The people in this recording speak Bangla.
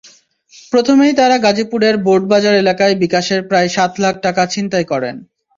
প্রথমেই তাঁরা গাজীপুরের বোর্ডবাজার এলাকায় বিকাশের প্রায় সাত লাখ টাকা ছিনতাই করেন।